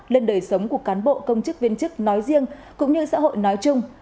lên đời sống của cán bộ công chức viên chức nói riêng cũng như xã hội nói chung